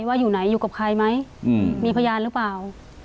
ว่าอยู่ไหนอยู่กับใครไหมมีพยานหรือเปล่า